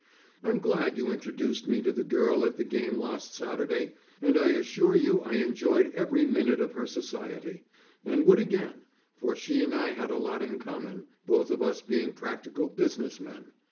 I am glad you introduced me to the girl at the game last Saturday, and I assure you I enjoyed every minute of her society, and would again, for she and I had a lot in common, both of us being practical business men.